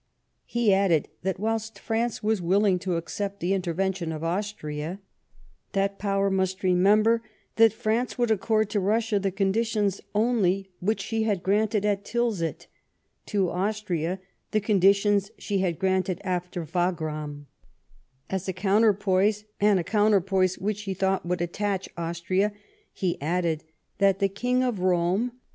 He added, that whilst France was willing to accept the intervention of Austria, that Power must remember that France would accord to Russia the conditions only which she had granted at Tilsit ; to Austria the conditions she had granted after Wagranu As a counterpoise, and a counterpoise which he thought would attach Austria, he added that the King of Rome, G 2 84 LIFE OF PRINCE METTEBNICE.